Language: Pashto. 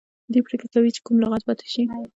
دوی پریکړه کوي چې کوم لغت پاتې شي.